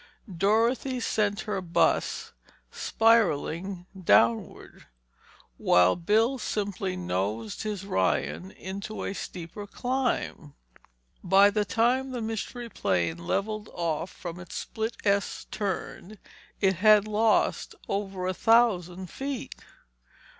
Dorothy sent her bus spiralling downward, while Bill simply nosed his Ryan into a steeper climb. By the time the Mystery Plane levelled off from its split S turn it had lost over a thousand feet.